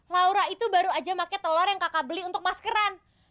laura itu baru aja pakai telur yang kakak beli untuk maskeran